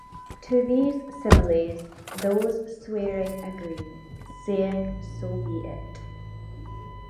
To these similes, those swearing agree, saying so be it.